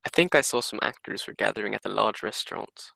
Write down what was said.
I think I saw some actors were gathering at a large restaurant.